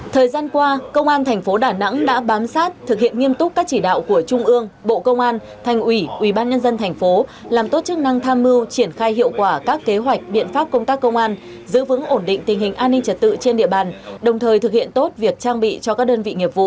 thời gian qua công an thành phố đà nẵng đã bám sát thực hiện nghiêm túc các chỉ đạo của trung ương bộ công an thành ủy ubnd tp làm tốt chức năng tham mưu triển khai hiệu quả các kế hoạch biện pháp công tác công an giữ vững ổn định tình hình an ninh trật tự trên địa bàn đồng thời thực hiện tốt việc trang bị cho các đơn vị nghiệp vụ